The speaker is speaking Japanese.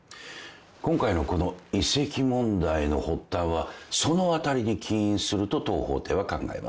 今回のこの移籍問題の発端はそのあたりに起因すると当法廷は考えます。